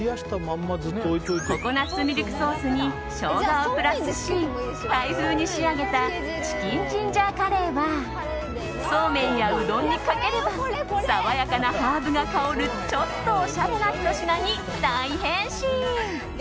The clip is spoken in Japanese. ココナツミルクソースにショウガをプラスしタイ風に仕上げたチキンジンジャーカレーはそうめんやうどんにかければ爽やかなハーブが香るちょっとおしゃれなひと品に大変身。